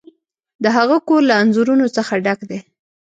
د هغه کور له انځورونو څخه ډک دی.